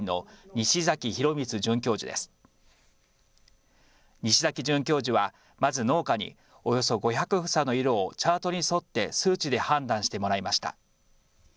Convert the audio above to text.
西崎准教授は、まず農家におよそ５００房の色をチャートに沿って数値で判断してもらいました。